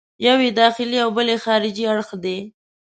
یو یې داخلي او بل یې خارجي اړخ دی.